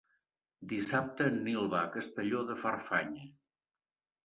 Dissabte en Nil va a Castelló de Farfanya.